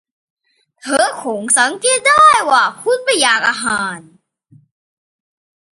เธอคงสังเกตได้ว่าคุณไม่อยากอาหาร